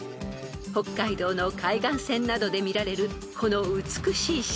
［北海道の海岸線などで見られるこの美しい自然現象］